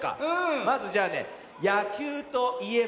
まずじゃあねやきゅうといえば？